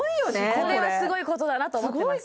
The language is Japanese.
これこれはすごいことだなと思ってます